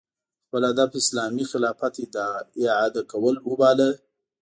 خپل هدف اسلامي خلافت اعاده کول وباله